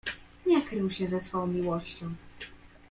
"Nie krył się ze swoją miłością."